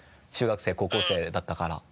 中学生高校生だったから。